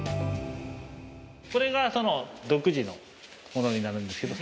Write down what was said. これがその、独自のものになるんですけど。